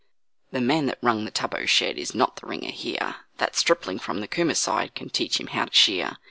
The man that 'rung' the Tubbo shed is not the ringer here, That stripling from the Cooma side can teach him how to shear.